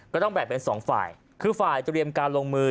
ก็ต้องแบ่งเป็นสองฝ่ายคือฝ่ายเตรียมการลงมือ